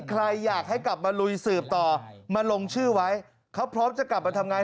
ใครอยากให้กลับมาลุยสืบต่อมาลงชื่อไว้เขาพร้อมจะกลับมาทำงาน